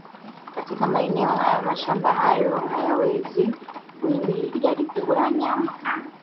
Katika maeneo hayo mashamba hayo hayawezi kuhimili idadi kubwa ya wanyama